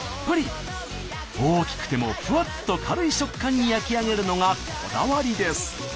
大きくてもふわっと軽い食感に焼き上げるのがこだわりです。